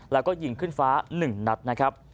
แล้วก็ยิงขึ้นฟ้า๑นัดนะครับ